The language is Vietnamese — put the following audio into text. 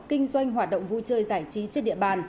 kinh doanh hoạt động vui chơi giải trí trên địa bàn